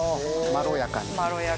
まろやかに。